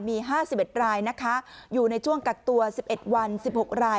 มีห้าสิบเอ็ดรายนะคะอยู่ในช่วงกักตัวสิบเอ็ดวันสิบหกราย